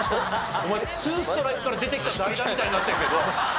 お前２ストライクから出てきた代打みたいになってるけど。